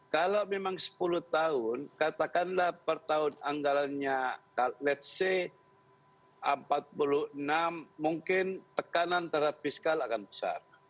kalau memang sepuluh tahun katakanlah per tahun anggarannya let's say empat puluh enam mungkin tekanan terapi skala akan besar